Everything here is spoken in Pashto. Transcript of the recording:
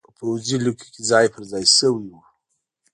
په پوځي لیکو کې ځای پرځای شوي وو